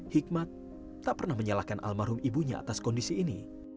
hikmat tak pernah menyalahkan almarhum ibunya atas kondisi ini